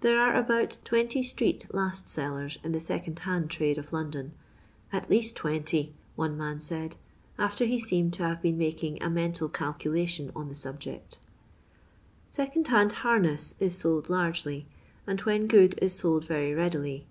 There are about SO street hist eellers in the second hand trade of London — "at least 20," one man said, after he seemed to hare been making a mental oUculation on the subject. Seeondrhaikd karnets is sold largely, and when good is sold very readily.